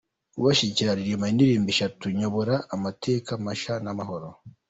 kubashyigikira iririmba indirimbo eshatu: Nyobora, Amateka mashya n Amahoro.